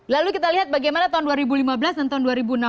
lalu kita lihat bagaimana tahun dua ribu lima belas dan tahun dua ribu enam belas